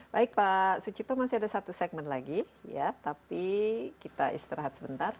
baik pak sucipto masih ada satu segmen lagi ya tapi kita istirahat sebentar